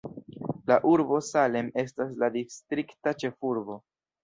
La urbo Salem estas la distrikta ĉefurbo.